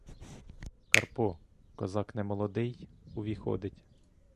Карпо — козак немолодий, увіходить.